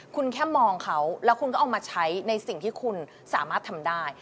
คุณแค่มองเขาแล้วคุณก็เอามาใช้ในสิ่งที่คุณสามารถทำได้